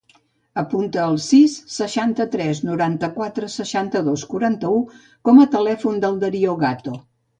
Apunta el sis, seixanta-tres, noranta-quatre, seixanta-dos, quaranta-u com a telèfon del Dario Gato.